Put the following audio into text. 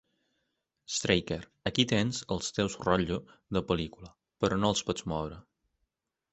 Straeker: aquí tens els teus rotllo de pel·lícula, però no els pots moure.